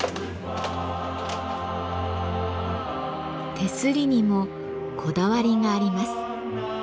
手すりにもこだわりがあります。